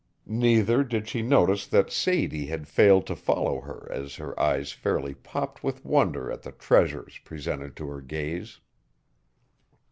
Neither did she notice that Sadie had failed to follow her as her eyes fairly popped with wonder at the treasures presented to her gaze.